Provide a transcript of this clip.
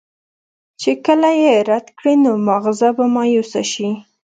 چې کله ئې رد کړي نو مازغۀ به مايوسه شي